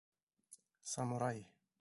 Самурай.